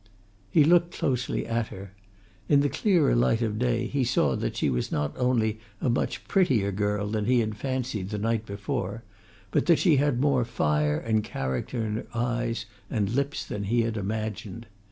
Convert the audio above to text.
He looked closely at her. In the clearer light of day he saw that she was not only a much prettier girl than he had fancied the night before, but that she had more fire and character in her eyes and lips than he had imagined.